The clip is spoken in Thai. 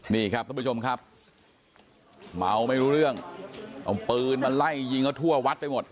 นี่ครับท่านผู้ชมครับเมาไม่รู้เรื่องเอาปืนมาไล่ยิงเขาทั่ววัดไปหมด